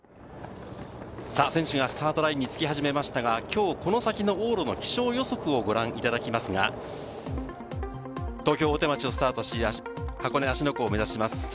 選手がスタートラインにつき始めましたが、この先の往路の気象予測をご覧いただきますが、東京・大手町をスタートし、箱根・芦ノ湖を目指します。